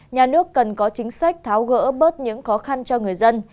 nhà nước cần có chính sách tháo gỡ bớt những khó khăn cho người dân